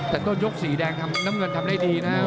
แต่ก็ยกสิสี่แดงน้ำมันทำได้ดีน่า